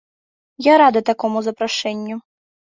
Я рады такому запрашэнню.